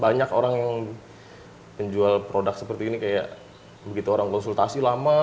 banyak orang yang menjual produk seperti ini kayak begitu orang konsultasi lama